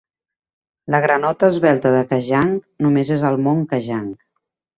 La granota esvelta de Kajang només és al Mont Kajang.